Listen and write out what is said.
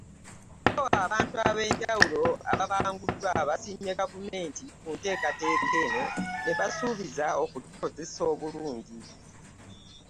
Bo abantu ab’enjawulo ababanguddwa basiimye gavumenti ku nteekateeka eno ne basuubiza okugikozesa obulungi.